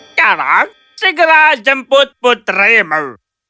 sekarang segera jemput putrimu